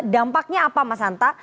dampaknya apa mas santa